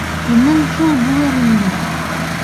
Һинең шул булыр инде.